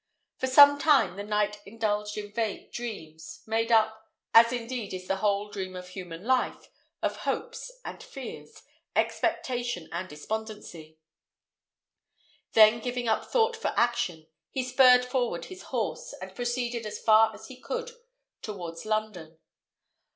For some time the knight indulged in vague dreams, made up, as indeed is the whole dream of human life, of hopes and fears, expectation and despondency; then giving up thought for action, he spurred forward his horse, and proceeded as fast as he could towards London.